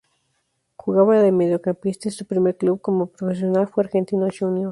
Jugaba de mediocampista y su primer club como profesional fue Argentinos Juniors.